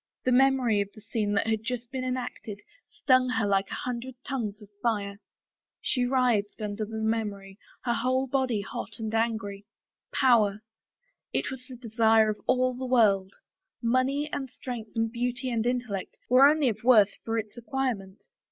The memory of the scene that had just been enacted stung her like a hundred tongues of fire. II THE FAVOR OF KINGS She writhed under the memory, her whole body hot and ang^. ... Power I It was the desire of all the world Money and strength and beauty and intellect were only of worth for its acquirement.